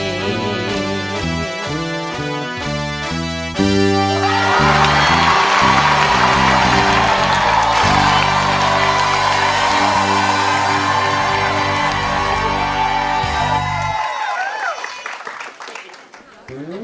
โชคดี